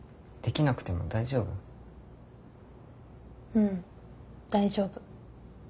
うん大丈夫。